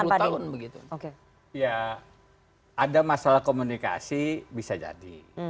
ya ada masalah komunikasi bisa jadi